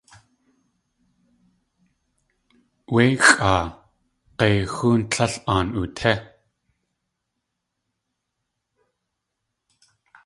Wé xʼaa g̲ei xóon tléil aan utí.